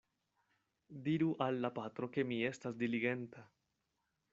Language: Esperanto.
Diru al la patro, ke mi estas diligenta.